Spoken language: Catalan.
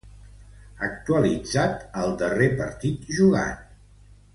Actualitzat al darrer partit jugat.